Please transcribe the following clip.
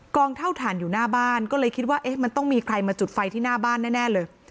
เท่าฐานอยู่หน้าบ้านก็เลยคิดว่าเอ๊ะมันต้องมีใครมาจุดไฟที่หน้าบ้านแน่เลย